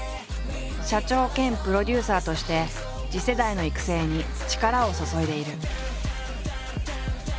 社長兼プロデューサーとして次世代の育成に力を注いでいる。